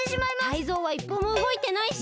タイゾウはいっぽもうごいてないし！